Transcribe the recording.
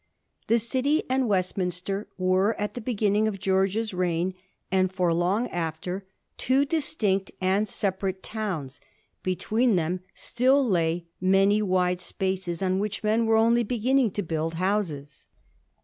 The City and Westminster were at the beginning of George's reign, and for long after, two distinct and separate towns ; between them still lay many wide spaces on which men were only beginning to build houses.